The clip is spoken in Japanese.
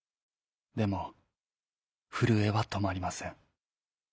でもふるえはとまりません。